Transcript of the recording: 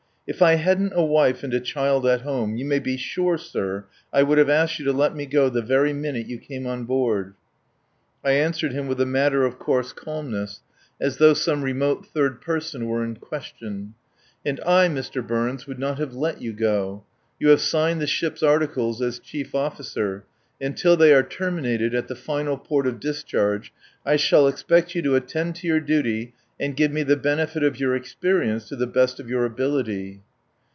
"If I hadn't a wife and a child at home you may be sure, sir, I would have asked you to let me go the very minute you came on board." I answered him with a matter of course calmness as though some remote third person were in question. "And I, Mr. Burns, would not have let you go. You have signed the ship's articles as chief officer, and till they are terminated at the final port of discharge I shall expect you to attend to your duty and give me the benefit of your experience to the best of your ability."